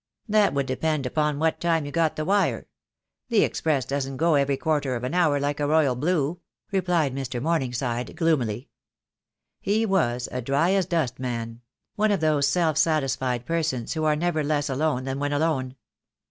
"That would depend upon what time you got the wire. The express doesn't go every quarter of an hour like a Royal Blue," replied Mr. Morningside, gloomily. He was a dry as dust man; one of those self satisfied persons who are never less alone than when alone.